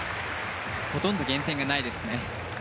ほとんど減点がないですね。